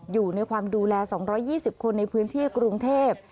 อยู่ในความดูแล๒๒๐คนในพื้นที่กรุงเทพ